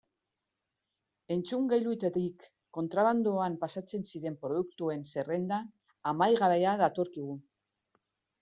Entzungailuetatik kontrabandoan pasatzen ziren produktuen zerrenda amaigabea datorkigu.